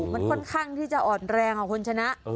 มันค่อนข้างที่จะอ่อนแรงค่ะคุณชนะ